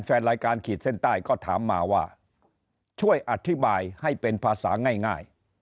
แฟนรายการขีดเส้นใต้ก็ถามมาว่าช่วยอธิบายให้เป็นภาษาง่าย